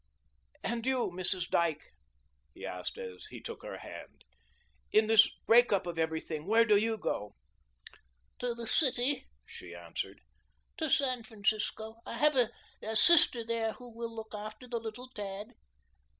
"And you, Mrs. Dyke," he asked as he took her hand, "in this break up of everything, where do you go?" "To the city," she answered, "to San Francisco. I have a sister there who will look after the little tad."